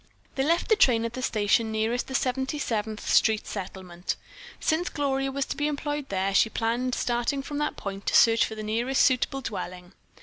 They left the train at the station nearest the Seventy seventh Street Settlement. Since Gloria was to be employed there, she planned starting from that point to search for the nearest suitable dwelling.